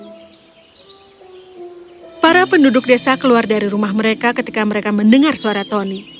betapa banyak khusus ini bisa keluar dari rumah mereka ketika mereka mendengar suara tony